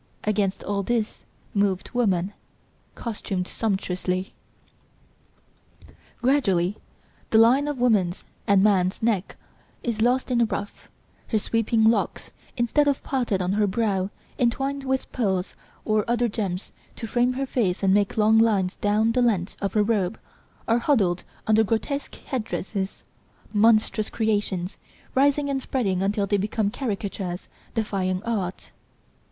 Against all this moved woman, costumed sumptuously. Gradually the line of woman's (and man's) neck is lost in a ruff, her sweeping locks, instead of parted on her brow, entwined with pearls or other gems to frame her face and make long lines down the length of her robe, are huddled under grotesque head dresses, monstrous creations, rising and spreading until they become caricatures, defying art.